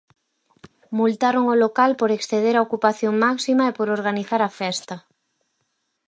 Multaron o local por exceder a ocupación máxima e por organizar a festa.